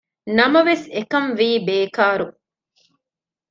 ނަމަވެސް އެކަންވީ ބޭކާރު